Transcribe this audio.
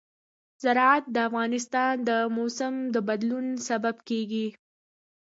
زراعت د افغانستان د موسم د بدلون سبب کېږي.